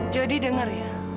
jody denger ya